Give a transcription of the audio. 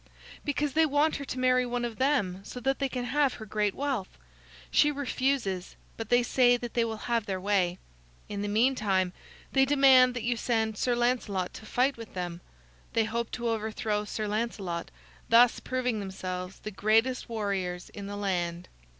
"Because they want her to marry one of them so that they can have her great wealth. She refuses, but they say that they will have their way. In the meantime, they demand that you send Sir Lancelot to fight with them. They hope to overthrow Sir Lancelot, thus proving themselves the greatest warriors in the land.